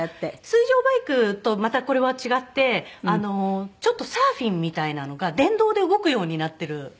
水上バイクとまたこれは違ってちょっとサーフィンみたいなのが電動で動くようになっている。